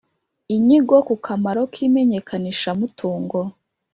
Inyigo ku kamaro k imenyekanishamutungo